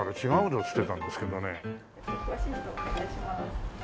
詳しい人お願いします。